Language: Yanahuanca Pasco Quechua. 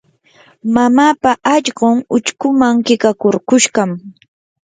mamaapa allqun uchkuman qiqakurkushqam.